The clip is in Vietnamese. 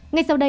ngay sau đây